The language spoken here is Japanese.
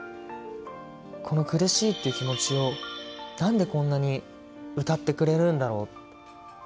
この苦しいっていう気持ちを何でこんなに歌ってくれるんだろう。